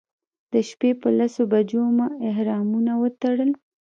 د شپې په لسو بجو مو احرامونه وتړل.